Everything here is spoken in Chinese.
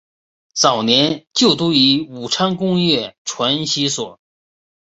早年就读于武昌工业传习所。